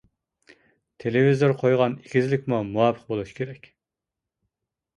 تېلېۋىزور قويغان ئېگىزلىكمۇ مۇۋاپىق بولۇشى كېرەك.